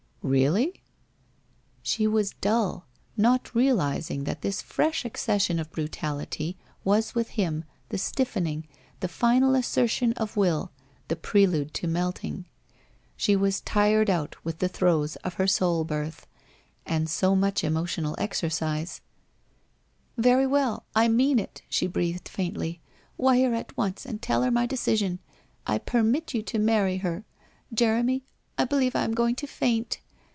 ' Really ?' She was dull, not realizing that this fresh accession of brutality was with him the stiffening, the final assertion of will, the prelude to melting. She was tired out with the throes of lu r soul birth and so much emotional exercise. 422 WHITE ROSE OF WEARY LEAF ' Very well, I mean it/ she breathed faintly. ' Wire at once and tell her my decision. I permit you to marry her. ... Jeremy, I believe I am going to faint